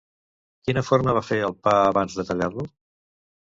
Quina forma va fer al pa abans de tallar-lo?